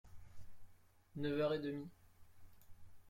Neuf heures et demie…